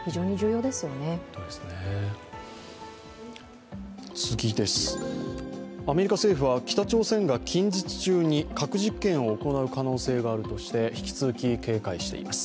次です、アメリカ政府は北朝鮮が近日中に、核実験を行う可能性があるとして引き続き警戒しています。